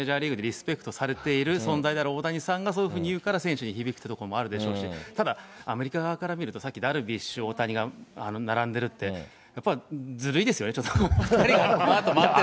誰よりもメジャーリーグでリスペクトされている大谷さんがそういうふうに言うから、選手響くというところもあるし、ただアメリカ側から見ると、さっきダルビッシュ、大谷が並んでいるって、やっぱりずるいですよね、２人がこのあと。